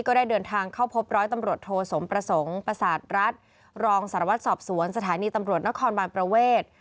ก็ได้เดินทางเข้าพบร้อยตำรวจโทสมประสงค์ประสาทรัฐรองสารวัตรสอบสวนสถานีตำรวจนครบานประเวท